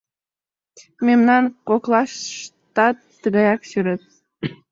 Мемнан коклаштат тыгаяк сӱрет.